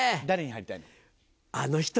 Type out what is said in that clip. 誰に貼りたいの？